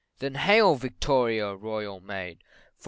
Then hail, Victoria, Royal Maid, &c.